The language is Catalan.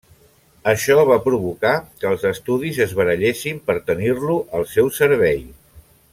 Això va provocar que els estudis es barallessin per tenir-lo al seu servei.